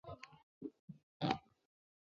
桃椰子为棕榈科桃果椰子属下的一个种。